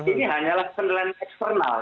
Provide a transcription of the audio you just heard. ini hanyalah penilaian eksternal